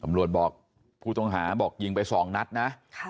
ตำรวจบอกผู้ต้องหาบอกยิงไปสองนัดนะ